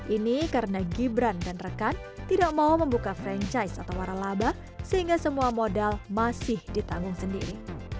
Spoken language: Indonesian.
ini karena gibran dan rekan tidak mau membuka franchise atau waralaba sehingga semua modal masih ditanggung sendiri